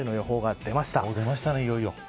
出ましたね、いよいよ。